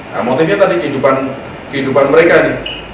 nah motifnya tadi kehidupan mereka nih